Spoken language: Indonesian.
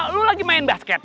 lo lagi main basket